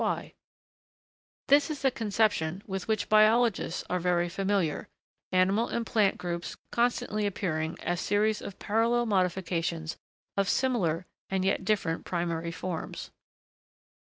] This is a conception with, which biologists are very familiar, animal and plant groups constantly appearing as series of parallel modifications of similar and yet different primary forms.